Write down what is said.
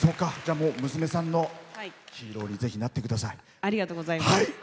娘さんのヒーローにぜひなってください。